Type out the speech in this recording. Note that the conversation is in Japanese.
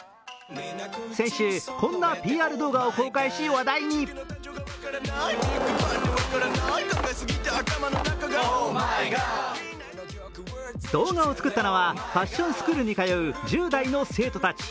先週、こんなＰＲ動画を公開し話題に動画を作ったのはファッションスクールに通う１０代の生徒たち。